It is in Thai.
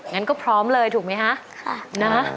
งั้นก็พร้อมเลยถูกไหมคะ